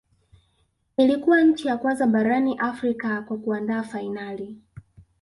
Ilikuwa nchi ya kwanza barani Afrika kwa kuandaa fainali